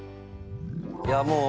いやあもう。